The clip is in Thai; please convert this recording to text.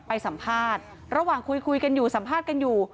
ไปสัมภาษณ์ระหว่างคุยคุยกันอยู่สัมภาษณ์กันอยู่